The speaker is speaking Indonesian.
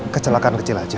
kecelakaan kecil aja